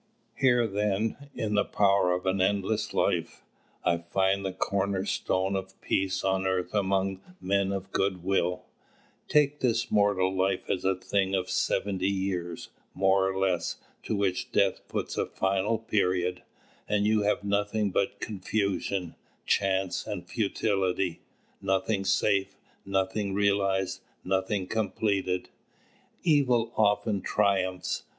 Here then, in the "power of an endless life," I find the corner stone of peace on earth among men of good will Take this mortal life as a thing of seventy years, more or less, to which death puts a final period, and you have nothing but confusion, chance and futility, nothing safe, nothing realized, nothing completed. Evil often triumphs.